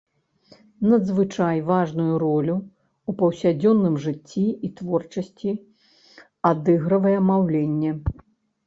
Надзвычай важную ролю ў паўсядзённым жыцці і творчасці адыгрывае маўленне.